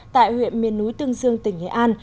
tại huyện miền núi tương dương tỉnh nghệ an